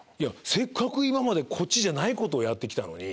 せっかくこっちじゃないことをやって来たのに。